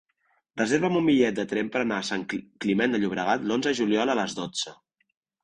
Reserva'm un bitllet de tren per anar a Sant Climent de Llobregat l'onze de juliol a les dotze.